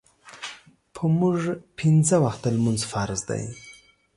پۀ مونږ پينځۀ وخته مونځ فرض دے